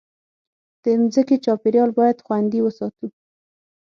د مځکې چاپېریال باید خوندي وساتو.